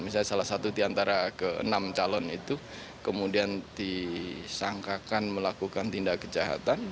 misalnya salah satu di antara ke enam calon itu kemudian disangkakan melakukan tindak kejahatan